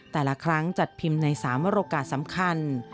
แต่ละครั้งจัดพิมพ์ใน๓โอกาสสำคัญ